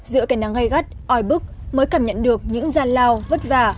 giữa cái nắng gây gắt oi bức mới cảm nhận được những gian lao vất vả